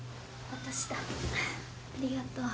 ありがとう。